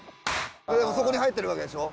そこに入ってるわけでしょ。